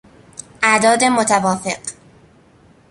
اعداد متوافق